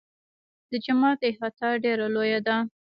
د جومات احاطه ډېره لویه ده.